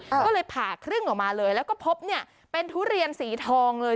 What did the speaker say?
ก็เลยผ่าครึ่งออกมาเลยแล้วก็พบเนี่ยเป็นทุเรียนสีทองเลย